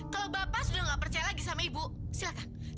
kalau bapak sudah tidak percaya lagi sama ibu silahkan